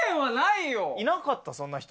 いなかった、そんな人。